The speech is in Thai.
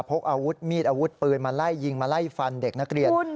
พกอาวุธมีดอาวุธปืนมาไล่ยิงมาไล่ฟันเด็กนักเรียน